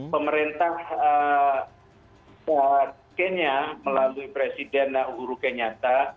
pemerintah kenya melalui presiden huru kenyata